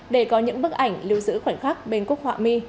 để có những bức ảnh lưu giữ khoảnh khắc bên cúc họa mi